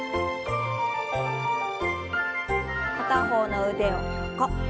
片方の腕を横。